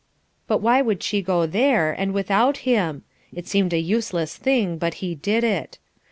But why would she go there, and without him? It seemed a useless thing, but he did it.